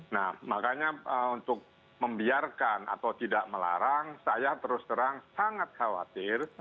nah makanya untuk membiarkan atau tidak melarang saya terus terang sangat khawatir